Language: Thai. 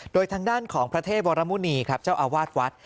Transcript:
โดยทางด้านของพระเทพวรมุณีครับเจ้าอาวาสวัด